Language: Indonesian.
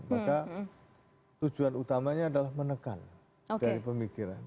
maka tujuan utamanya adalah menekan dari pemikiran